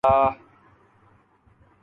سو ایسے ہی چلے۔